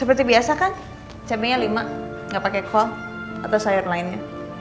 seperti biasa kan cabainya lima nggak pakai kol atau sayur lainnya